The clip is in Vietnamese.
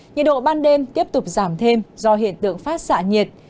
nhiệt độ ban đêm tiếp tục giảm thêm do hiện tượng phát xạ nhiệt